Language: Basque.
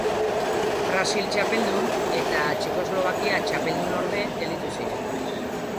Brasil txapeldun eta Txekoslovakia txapeldunorde gelditu ziren.